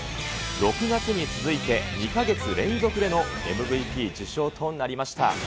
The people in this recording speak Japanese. ６月に続いて２か月連続でのＭＶＰ受賞となりました。